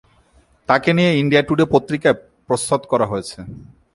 তাঁকে নিয়ে India Today পত্রিকায় প্রচ্ছদ করা হয়েছে।